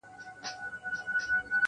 دا انجام وي د خپل قام د غلیمانو -